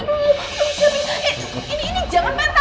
ini jangan pak